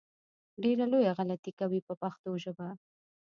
ډېره لویه غلطي کوي په پښتو ژبه.